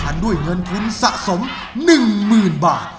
เนินทุนสะสมหนึ่งหมื่นบาท